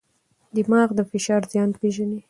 دماغ د فشار زیان پېژني.